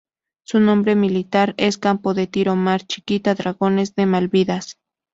Su nombre militar es Campo de Tiro Mar Chiquita-Dragones de Malvinas.